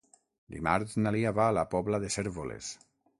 Dimarts na Lia va a la Pobla de Cérvoles.